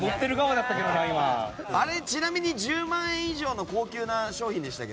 ちなみに１０万円以上の高級な商品でしたけ